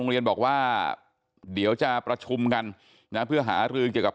เรียนบอกว่าเดี๋ยวจะประชุมกันนะเพื่อหารือเกี่ยวกับ